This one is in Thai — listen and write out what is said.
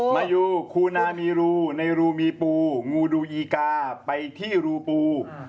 มาดูคูนามีรูในรูมีปูงูดูอีกาไปที่รูปู